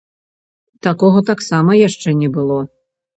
Такога таксама яшчэ не было.